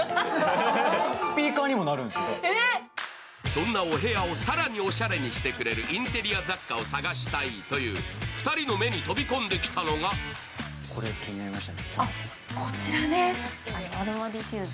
そんなお部屋をさらにおしゃれにしてくれるインテリア雑貨を探したいという２人の目に飛び込んできたのが何が気になります？